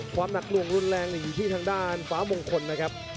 ความหนักลวงรุนแรงหนีที่ทางด้านฟ้ามงคลนะครับ